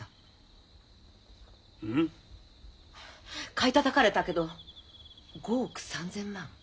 買いたたかれたけど５億３，０００万。